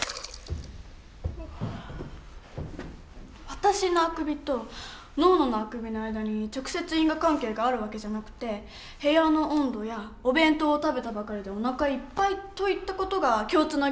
私のあくびとノーノのあくびの間に直接因果関係がある訳じゃなくて「部屋の温度やお弁当を食べたばかりでおなかいっぱい」といった事が共通の原因だったんだね。